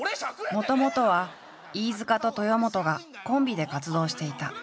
もともとは飯塚と豊本がコンビで活動していた。